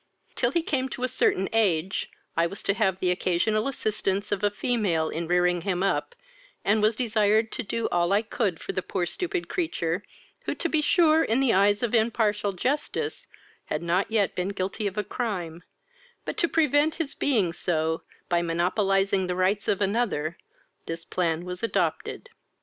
Till he came to a certain age, I was to have the occasional assistance of a female in rearing him up, and was desired to do all I could for the poor stupid creature, who, to be sure, in the eyes of impartial justice, had not yet been guilty of a crime; but, to prevent his being so, by monopolizing the rights of another, this plan was adopted.